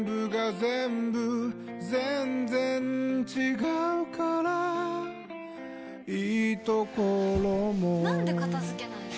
全然違うからいいところもなんで片付けないの？